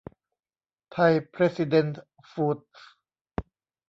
ไทยเพรซิเดนท์ฟูดส์